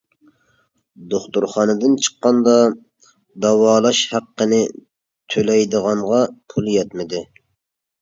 دوختۇرخانىدىن چىققاندا داۋالاش ھەققىنى تۆلەيدىغانغا پۇل يەتمىدى.